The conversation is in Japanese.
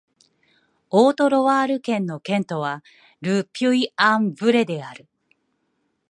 オート＝ロワール県の県都はル・ピュイ＝アン＝ヴレである